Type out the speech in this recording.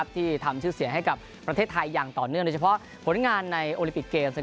ที่ทำชื่อเสียงให้กับประเทศไทยอย่างต่อเนื่องโดยเฉพาะผลงานในโอลิปิกเกมส์